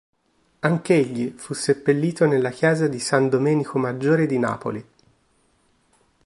Anch'egli fu seppellito nella chiesa di San Domenico Maggiore di Napoli.